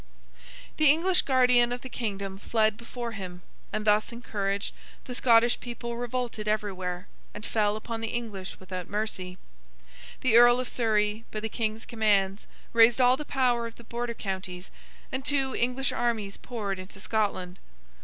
The English Guardian of the Kingdom fled before him, and, thus encouraged, the Scottish people revolted everywhere, and fell upon the English without mercy. The Earl of Surrey, by the King's commands, raised all the power of the Border counties, and two English armies poured into Scotland.